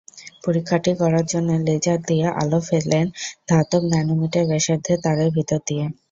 পরীক্ষাটি করার জন্য লেজার দিয়ে আলো ফেলেন ধাতব ন্যানোমিটার ব্যাসার্ধের তারের ভেতর দিয়ে।